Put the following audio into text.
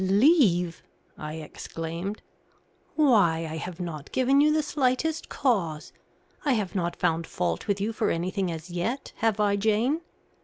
"Leave!" I exclaimed. "Why, I have not given you the slightest cause. I have not found fault with you for anything as yet, have I, Jane?